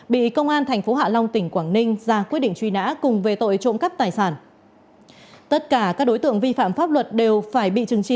bị công an thành phố hạ long tỉnh quảng ninh ra quyết định truy nã cùng về tội trộm cắp tài sản